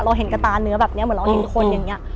เห็นกระตาเนื้อแบบนี้เหมือนเราเห็นคนอย่างนี้